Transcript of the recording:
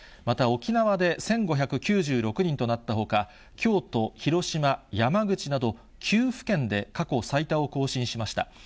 また沖縄で１５９６人となったほか、京都、広島、山口など９府県で過去最多を更新しました。